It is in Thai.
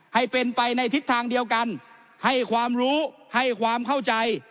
ให้เป็นไปในทิศทางเดียวกันให้ความรู้ให้ความเข้าใจ